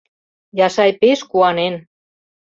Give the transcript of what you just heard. Яшай пеш куанен: